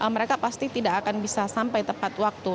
mereka pasti tidak akan bisa sampai tepat waktu